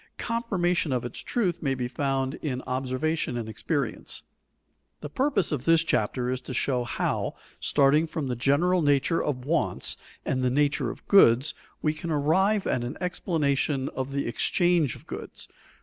Confirmation of its truth may be found in observation and experience. The purpose of this chapter is to show how, starting from the general nature of wants and the nature of goods, we can arrive at an explanation of the exchange of goods.